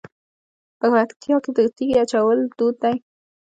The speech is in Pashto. په پکتیا کې د تیږې اچول دود دی.